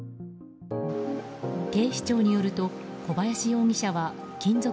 警視庁によると小林容疑者は勤続